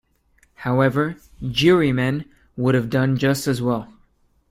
However, ‘jurymen’ would have done just as well.